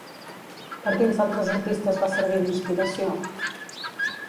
Per quins altres artistes va servir d'inspiració?